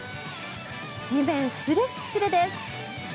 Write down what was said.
地面すれっすれです。